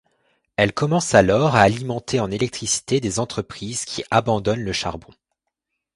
Elle commence alors à alimenter en électricité des entreprises qui abandonnent le charbon.